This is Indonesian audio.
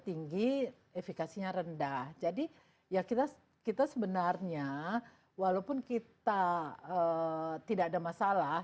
tinggi efekasinya rendah jadi ya kita kita sebenarnya walaupun kita tidak ada masalah